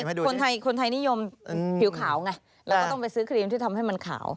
แล้วก็ต้องไปซื้อครีมที่ทำให้มันขาว